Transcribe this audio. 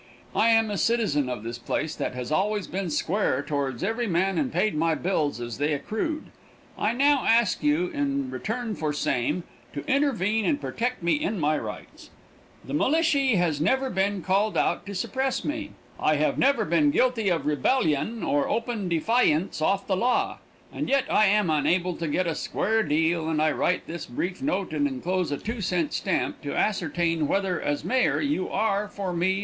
I am a citizen of this place that has always been square towards every man and paid my bills as they accrewed. I now ask you, in return for same, to intervene and protect me in my rights. The millishy has never been called out to suppress me. I have never been guilty of rebellyun or open difyance off the law, and yet I am unable to get a square deal and I write this brief note and enclose a two cent stamp, to ascertain whether, as mayor, you are for me or agin me. [Illustration: ...